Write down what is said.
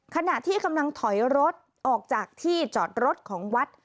ขณะที่กำลังถอยรถออกจากที่จอดรถของวัด